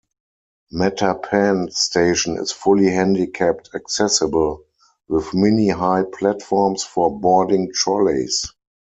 Mattapan station is fully handicapped accessible, with mini-high platforms for boarding trolleys.